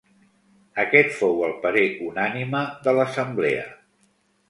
Aquest fou el parer unànime de l'assemblea.